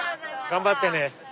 頑張って！